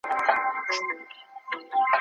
زه په خپل ځان کي بندي د خپل زندان یم